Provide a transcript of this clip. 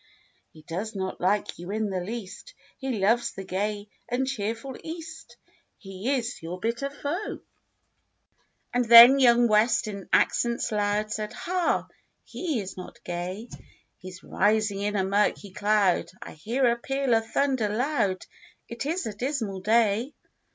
He does not like you in the least. He loves the Gay and cheerful East, He is your bitter foe." 90 THE BLUE AUNT And then young West in accents loud Said, "Ha! he is not Gay, He's rising in a murky cloud, I hear a peal of thunder loud: It is a dismal day."